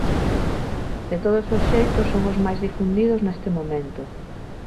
De todos os xeitos son os máis difundidos neste momento.